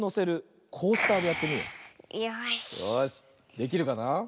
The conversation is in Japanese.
できるかな。